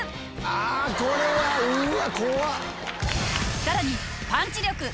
今夜はこれはうわ怖っ！